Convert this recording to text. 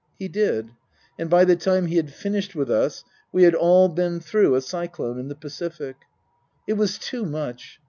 He did. And by the time he had finished with us we had all been through a cyclone in the Pacific. It was too much.